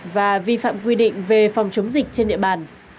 và vi phạm quy định về phòng chống dịch trên địa bàn